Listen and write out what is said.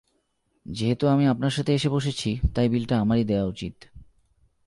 যেহেতু আমি আপনার সাথে এসে বসেছি, তাই বিলটা আমারই দেয়া উচিৎ।